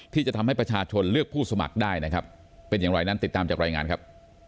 ที่จะทำให้ประชาชนเลือกผู้สมัครได้นะครับเป็นอย่างไรนั้นติดตามจากรายงานครับ